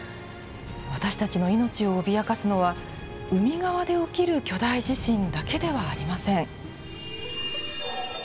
私たちの命を脅かすのは海側で起きる巨大地震だけではありません。